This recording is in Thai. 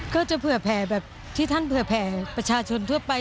ก็จะเผื่อแผ่แบบที่ท่านเผื่อแผ่ประชาชนทั่วไป